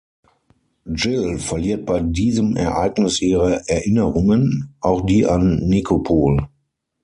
Jill verliert bei diesem Ereignis ihre Erinnerungen, auch die an Nikopol.